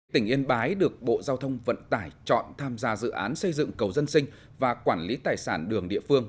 tỉnh yên bái được bộ giao thông vận tải chọn tham gia dự án xây dựng cầu dân sinh và quản lý tài sản đường địa phương